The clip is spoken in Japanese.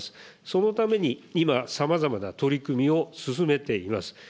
そのために、今、さまざまな取り組みを進めています。